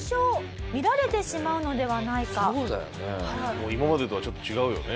もう今までとはちょっと違うよね。